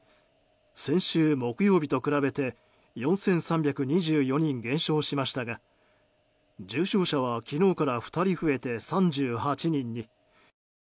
先週木曜日と比べて４３２４人減少しましたが重症者は昨日から２人増えて３８人に。